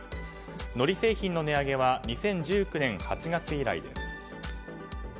のり製品の値上げは２０１９年８月以来です。